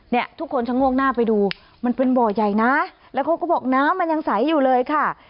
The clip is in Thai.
เนี่ยทุกคนชะโงกหน้าไปดูมันเป็นบ่อใหญ่นะแล้วเขาก็บอกน้ำมันยังใสอยู่เลยค่ะ